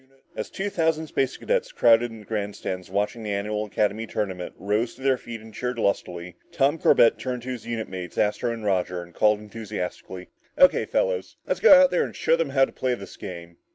As two thousand space cadets, crowded in the grandstands watching the annual academy tournament, rose to their feet and cheered lustily, Tom Corbett turned to his unit mates Astro and Roger and called enthusiastically, "O.K., fellas. Let's go out there and show them how to play this game!"